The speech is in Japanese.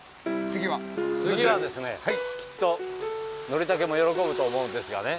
次はですねきっと憲武も喜ぶと思うんですがね